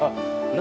何？